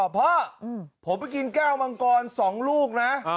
พ่อผมไปกินแก้วมังกร๒ลูกนะ